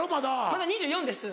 まだ２４です。